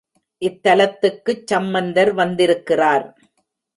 இத்தலத்துக்குச் சம்பந்தர் வந்திருக்கிறார்.